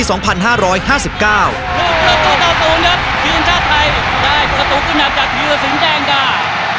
รุ่นประตูเจ้าสูงเนิดชีวิตชาติไทยได้สตูกุนัดจากธิวสิงห์แจ้งได้